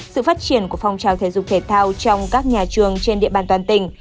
sự phát triển của phong trào thể dục thể thao trong các nhà trường trên địa bàn toàn tỉnh